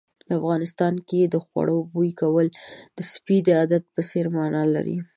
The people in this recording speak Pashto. افغانستان کې د خوړو بوي کول د سپي د عادت په څېر مانا لري.